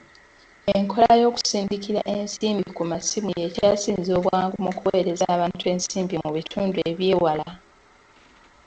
Enkola y'okusindikira ensimbi ku masimu y'ekyasinze obwangu mu kuweereza abantu ensimbi mu bitundu eby'ewala.